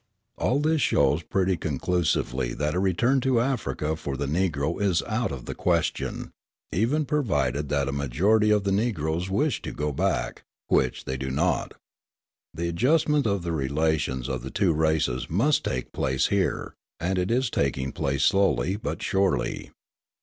All this shows pretty conclusively that a return to Africa for the Negro is out of the question, even provided that a majority of the Negroes wished to go back, which they do not. The adjustment of the relations of the two races must take place here; and it is taking place slowly, but surely.